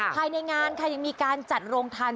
ภายในงานค่ะยังมีการจัดโรงทาน